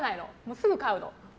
すぐ買うの。